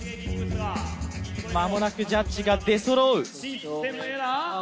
間もなくジャッジが出そろう。